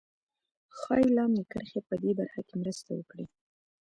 ښایي لاندې کرښې په دې برخه کې مرسته وکړي